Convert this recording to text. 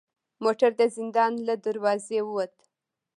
موټر د زندان له دروازې و وت.